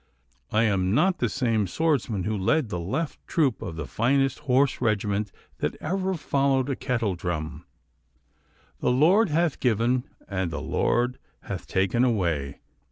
I am not the same swordsman who led the left troop of the finest horse regiment that ever followed a kettledrum. The Lord hath given, and the Lord hath taken away!